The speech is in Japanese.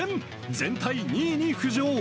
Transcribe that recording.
全体２位に浮上。